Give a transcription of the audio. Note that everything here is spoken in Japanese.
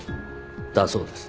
だそうです。